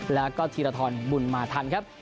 แล้วก็ธีรทรบุญมาทันครับ